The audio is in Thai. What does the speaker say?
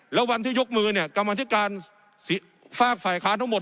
แล้ววันที่ยกมือเนี่ยกรรมธิการฝากฝ่ายค้านทั้งหมด